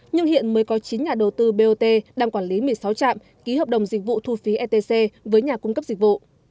nhưng hiện mới có chín nhà đầu tư bot đang quản lý một mươi sáu trạm ký hợp đồng dịch vụ thu phí etc với nhà cung cấp dịch vụ